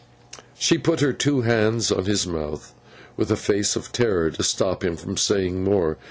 She put her two hands on his mouth, with a face of terror, to stop him from saying more.